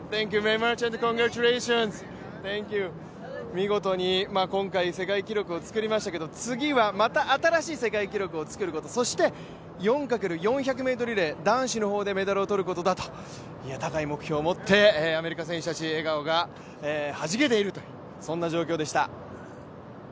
見事に今回、世界記録を作りましたけど、次はまた新しい世界記録を作ることそして４×４００ｍリレー男子の方でメダルを取ることだと、高い目標を持って、アメリカ選手たち、笑顔がはじけているという状況でした。